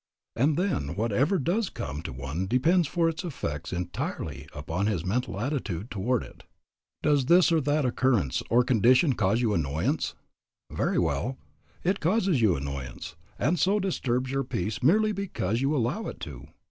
And then whatever does come to one depends for its effects entirely upon his mental attitude toward it. Does this or that occurrence or condition cause you annoyance? Very well; it causes you annoyance, and so disturbs your peace merely because you allow it to.